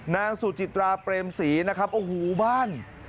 นางสุจิตราเปรมศรีนะครับโอ้โหบ้าน